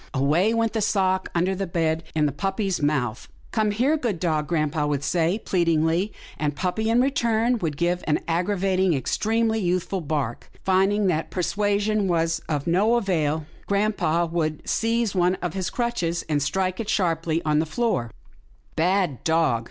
away went the sock under the bed in puppy's mouth. " Come here, good dog," grampa would say, pleadingly, and puppy, in return, would give an aggravating and extremely youthful bark. Find ing that persuasion was of no avail, grampa would seize one of his crutches, and strike it sharply on the floor, ''Bad dog!